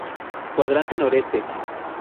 Cuadrante Noreste.